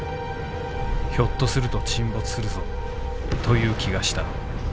ひょっとすると沈没するぞという気がした。